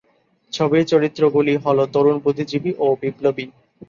ছবির চরিত্রগুলি হল তরুণ বুদ্ধিজীবী ও বিপ্লবী।